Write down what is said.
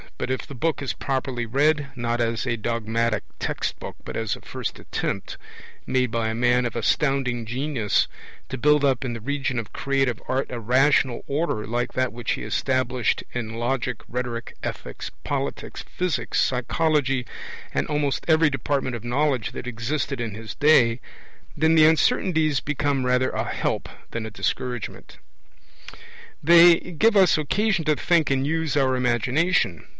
But, if the book is properly read, not as a dogmatic text book but as a first attempt, made by a man of astounding genius, to build up in the region of creative art a rational order like that which he established in logic, rhetoric, ethics, politics, physics, psychology, and almost every department of knowledge that existed in his day, then the uncertainties become rather a help than a discouragement. They give us occasion to think and use our imagination.